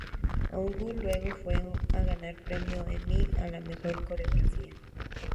Hough luego fue a ganar el Premio Emmy a la Mejor Coreografía.